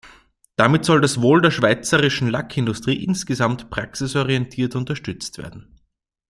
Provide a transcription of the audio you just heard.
Damit soll das Wohl der schweizerischen Lackindustrie insgesamt praxisorientiert unterstützt werden.